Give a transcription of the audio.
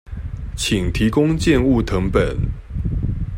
請提供建物謄本